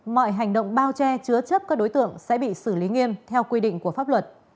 mọi hành động bao che chứa chấp các đối tượng sẽ bị xử lý nghiêm theo quy định của pháp luật